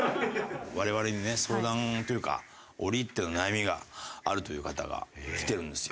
我々にね相談というか折り入っての悩みがあるという方が来てるんですよ。